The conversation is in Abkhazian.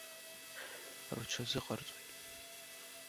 Рҽазыҟарҵоит.